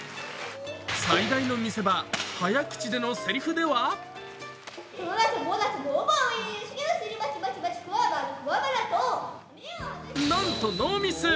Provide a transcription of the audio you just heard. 最大の見せ場、早口でのせりふではなんとノーミス。